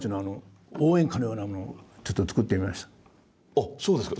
あっそうですか。